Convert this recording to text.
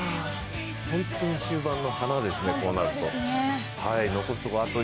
本当に終盤の花ですね、こうなると。